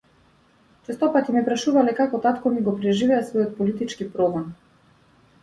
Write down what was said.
Честопати ме прашувале како татко ми го преживеа својот политички прогон?